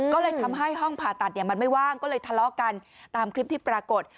ก็เลยทำให้ห้องผ่าตัดมันไม่ว่างก็เลยทะเลาะกันตามคลิปที่ปรากฏ